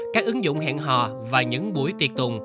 các ứng dụng hẹn hò và những buổi tiệt tùng